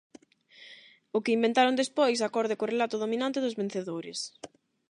O que inventaron despois, acorde co relato dominante dos vencedores.